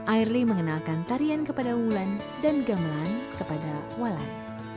airly mengenalkan tarian kepada wulan dan gamelan kepada walan